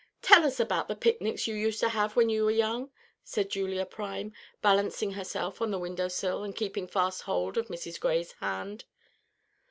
"Tell us about the picnics you used to have when you were young," said Julia Prime, balancing herself on the window sill and keeping fast hold of Mrs. Gray's hand.